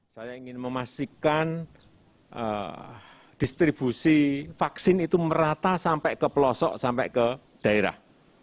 saya ingin memastikan distribusi vaksin itu merata sampai ke pelosok sampai ke daerah